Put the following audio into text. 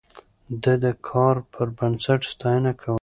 ده د کار پر بنسټ ستاينه کوله.